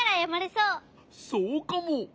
そうかも。